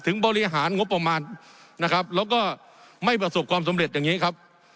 บริหารงบประมาณนะครับแล้วก็ไม่ประสบความสำเร็จอย่างนี้ครับ